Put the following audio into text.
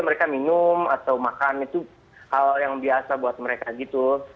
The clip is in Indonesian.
mereka minum atau makan itu hal yang biasa buat mereka gitu